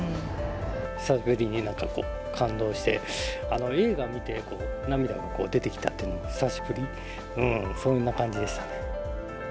久しぶりになんかこう、感動して、映画見て、涙がこう出てきたっていうのも久しぶり、そんな感じでしたね。